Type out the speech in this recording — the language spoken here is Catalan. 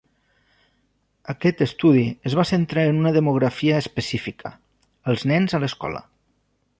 Aquest estudi es va centrar en una demografia específica: els nens a l"escola.